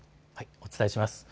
お伝えします。